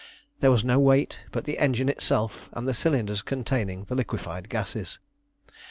There was no weight but the engine itself and the cylinders containing the liquefied gases.